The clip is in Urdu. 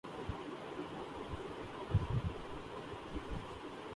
امجد کی کتاب چوری ہو گئی۔